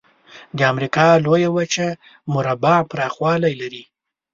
د امریکا لویه وچه مربع پرخوالي لري.